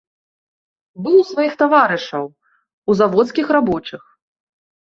Быў у сваіх таварышаў, у заводскіх рабочых.